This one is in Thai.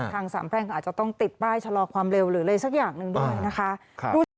ทางสามแพร่งก็อาจจะต้องติดป้ายชะลอความเร็วหรืออะไรสักอย่างหนึ่งด้วยนะคะ